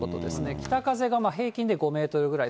北風が平均で５メートルぐらい。